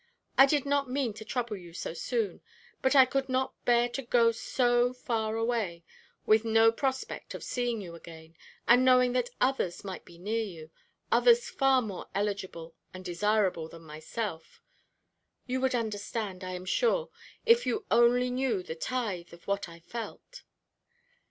I did not mean to trouble you so soon, but I could not bear to go, so far away, with no prospect of seeing you again, and knowing that others might be near you, others far more eligible and desirable than myself you would understand, I am sure, if you only knew the tithe of what I felt."